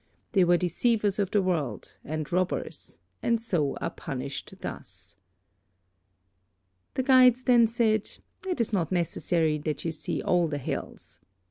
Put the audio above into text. They were deceivers of the world, and robbers, and so are punished thus.' "The guides then said, 'It is not necessary that you see all the hells.'